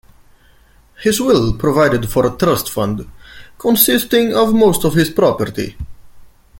His will provided for a trust fund consisting of most of his property.